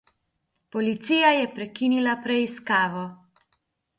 Policija je prekinila preiskavo.